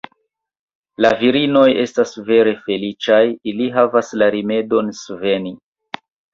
La virinoj estas vere feliĉaj: ili havas la rimedon sveni.